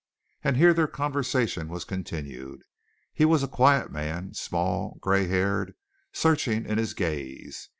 And here their conversation was continued. He was a quiet man small, gray haired, searching in his gaze.